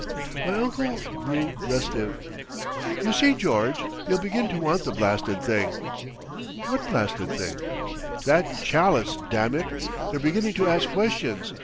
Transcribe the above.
My uncle grew restive.... "You see, George, they'll begin to want the blasted thing!" "What blasted thing?" "That chalice, damn it! They're beginning to ask questions.